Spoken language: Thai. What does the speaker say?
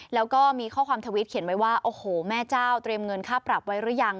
แล้วก็มีข้อความทวิตเขียนไว้ว่าโอ้โหแม่เจ้าเตรียมเงินค่าปรับไว้หรือยัง